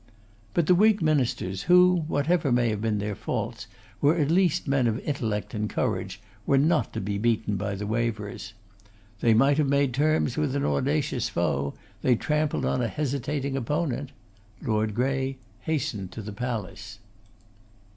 But the Whig ministers, who, whatever may have been their faults, were at least men of intellect and courage, were not to be beaten by 'the Waverers.' They might have made terms with an audacious foe; they trampled on a hesitating opponent. Lord Grey hastened to the palace.